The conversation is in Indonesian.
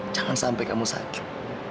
jangan sampai kamu sakit